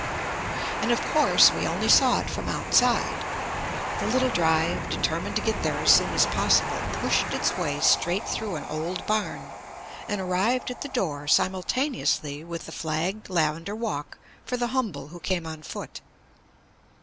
And, of course, we only saw it from outside. The little drive, determined to get there as soon as possible, pushed its way straight through an old barn, and arrived at the door simultaneously with the flagged lavender walk for the humble who came on foot.